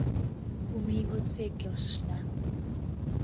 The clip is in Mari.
Кум ий годсек келшышна.